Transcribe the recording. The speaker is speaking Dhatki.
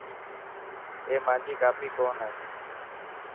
اي مانجي ڪاپي ڪون هي.